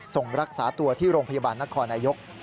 ส่งรักษาตัวที่โรงพยาบาลนครนายก